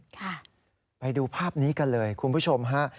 ค่ะไปดูภาพนี้กันเลยคุณผู้ชมฮะ